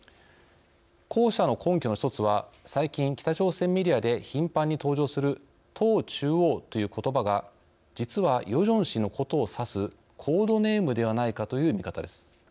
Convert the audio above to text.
後者の根拠の一つは最近北朝鮮メディアで頻繁に登場する党中央ということばが実はヨジョン氏のことを指すコードネームではないかという見方です。